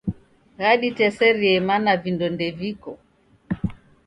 Ghaditeserie mana vindo ndeviko.